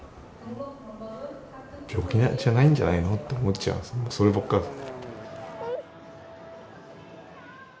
病気じゃないんじゃないのって思っちゃいますね、そればっかりです。